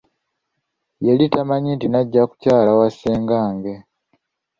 Yali tamanyi nti nze najja kukyala wa ssengange.